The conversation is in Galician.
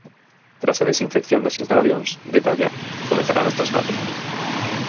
Tras a desinfección das instalacións, detalla, comezarán os traslados.